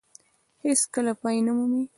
هېڅ کله پای نه مومي.